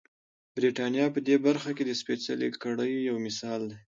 برېټانیا په دې برخه کې د سپېڅلې کړۍ یو مثال دی.